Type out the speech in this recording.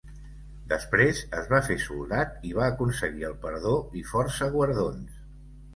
Després es va fer soldat i va aconseguir el perdó i força guardons.